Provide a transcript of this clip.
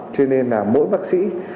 cho nên là mỗi bác sĩ